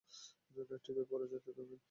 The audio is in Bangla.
ঠিকই পরে যেতে তুমি!